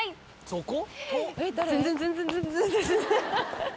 そこ？